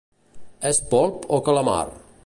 És polp o calamar?